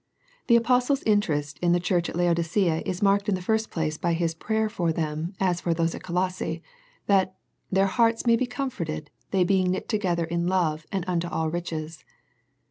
The apostle's interest in the church at Lao dicea is marked in the first place by his prayer for them as for those at Colosse, that " their hearts may be comforted they being knit together in love, and unto all riches."